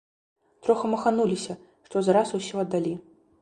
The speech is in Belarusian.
Троху махануліся, што за раз усё аддалі.